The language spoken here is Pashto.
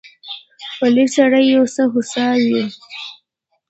پلی سړی یو څه هوسا وي.